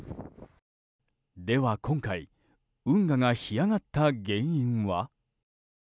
では今回運河が干上がった原因は。